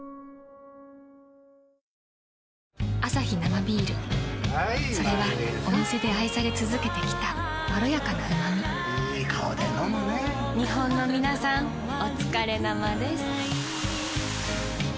アサヒ生ビールそれはお店で愛され続けてきたいい顔で飲むね日本のみなさんおつかれ生です。